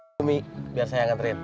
bumi biar saya angeterin